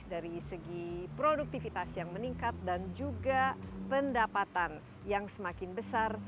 dari segi produktivitas yang meningkat dan juga pendapatan yang semakin besar